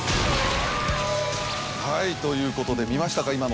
はいということで見ましたか？